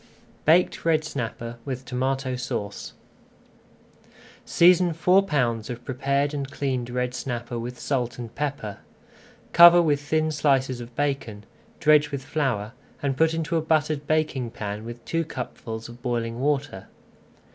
BAKED RED SNAPPER WITH TOMATO SAUCE Season four pounds of prepared and cleaned red snapper with salt and pepper. Cover with thin slices of bacon, dredge with flour, and put into a buttered baking pan with two cupfuls of boiling water.